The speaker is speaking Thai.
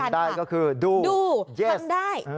ทำได้ก็คือดูทำได้